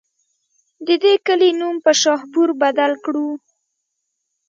د دې کلي نوم پۀ شاهپور بدل کړو